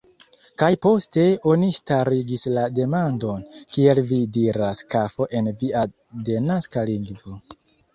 Kaj poste oni starigis la demandon, kiel vi diras "kafo" en via denaska lingvo.